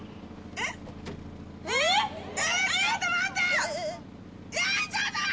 えっちょっと待って！